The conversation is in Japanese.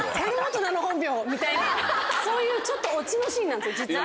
みたいなそういうちょっとオチのシーンなんですよ実は。